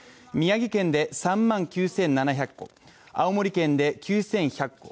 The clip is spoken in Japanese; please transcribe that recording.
宮城県で３万９７００戸、青森県で９，１００戸。